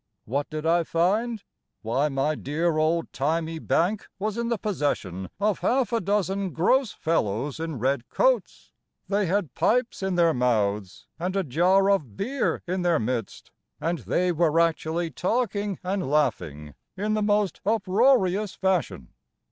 What did I find? Why, my dear old thymy bank Was in the possession Of half a dozen gross fellows in red coats, Thy had pipes in their mouths, And a jar of beer in their midst, And they were actually talking and laughing In the most uproarious fashion.